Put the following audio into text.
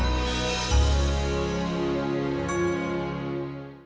kami menghukum anakku